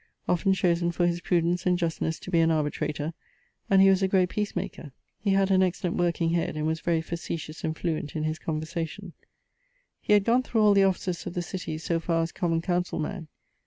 Often chosen for his prudence and justnes to be an arbitrator; and he was a great peace maker. He had an excellent working head, and was very facetious and fluent in his conversation. He had gonne thorough all the offices of the city so far as common councill man.